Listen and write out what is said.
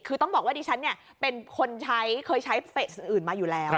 คือต้องบอกว่าดิฉันเนี่ยเป็นคนใช้เคยใช้เฟสอื่นมาอยู่แล้ว